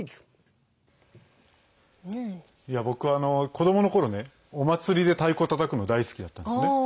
僕、子どもの頃お祭りで太鼓たたくの大好きだったんですよね。